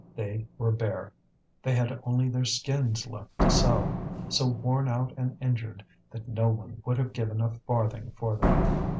They were bare; they had only their skins left to sell, so worn out and injured that no one would have given a farthing for them.